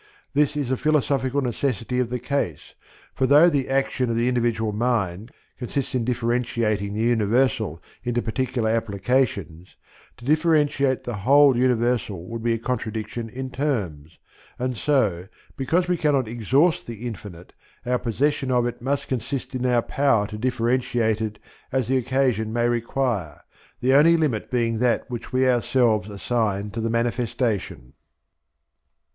This is a philosophical necessity of the case, for though the action of the individual mind consists in differentiating the universal into particular applications, to differentiate the whole universal would be a contradiction in terms; and so, because we cannot exhaust the infinite, our possession of it must consist in our power to differentiate it as the occasion may require, the only limit being that which we ourselves assign to the manifestation.